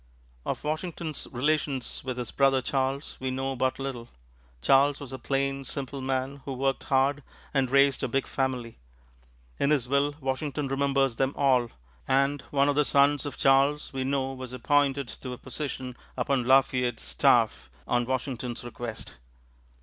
Of Washington's relations with his brother Charles, we know but little. Charles was a plain, simple man who worked hard and raised a big family. In his will Washington remembers them all, and one of the sons of Charles we know was appointed to a position upon Lafayette's staff on Washington's request.